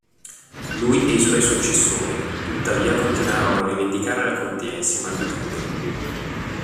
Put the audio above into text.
Lui e i suoi successori, tuttavia continuarono a rivendicare la contea insieme al ducato.